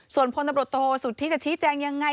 ส่วนพลตำรวจโทษธิตจะชี้แจงอย่างไร